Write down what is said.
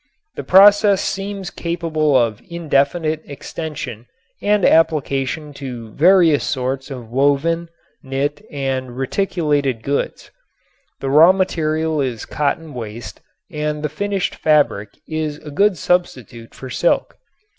The process seems capable of indefinite extension and application to various sorts of woven, knit and reticulated goods. The raw material is cotton waste and the finished fabric is a good substitute for silk.